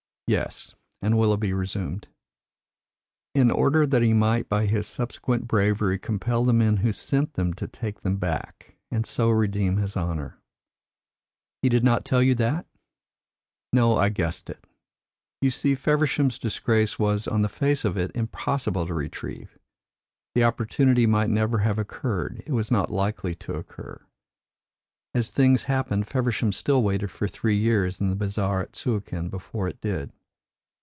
"Yes;" and Willoughby resumed, "in order that he might by his subsequent bravery compel the men who sent them to take them back, and so redeem his honour." "He did not tell you that?" "No. I guessed it. You see, Feversham's disgrace was, on the face of it, impossible to retrieve. The opportunity might never have occurred it was not likely to occur. As things happened, Feversham still waited for three years in the bazaar at Suakin before it did.